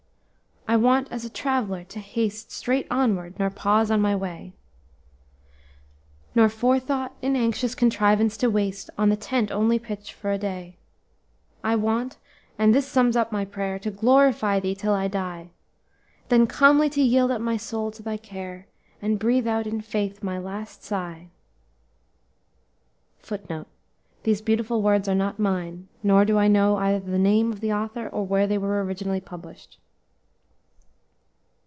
"'I want as a trav'ller to haste Straight onward, nor pause on my way; Nor forethought in anxious contrivance to waste On the tent only pitched for a day. "'I want and this sums up my prayer To glorify thee till I die; Then calmly to yield up my soul to thy care, And breathe out in faith my last sigh.'" [Footnote: These beautiful words are not mine, nor do I know either the name of the author or where they were originally published.